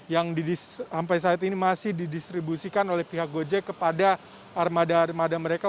yang sampai saat ini masih didistribusikan oleh pihak gojek kepada armada armada mereka